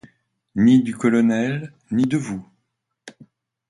Ni du colonel, ni de vous.